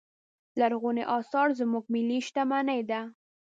لرغوني اثار زموږ ملي شتمنې ده.